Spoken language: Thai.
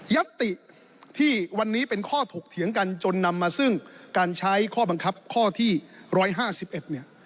ยัตติที่วันนี้เป็นข้อถูกเถียงกันจนนำมาซึ่งการใช้ข้อบังคับข้อที่ร้อยห้าสิบเอ็ดเนี้ย